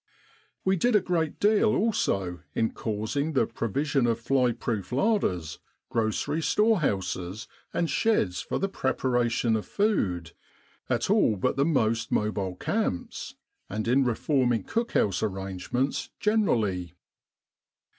We did a great deal also in causing the provision 156 Camp Sanitation of flyproof larders, grocery storehouses, and sheds for the preparation of food, at all but the most mobile camps, and in reforming cookhouse arrangements generally.